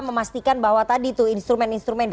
memastikan bahwa tadi tuh instrumen instrumen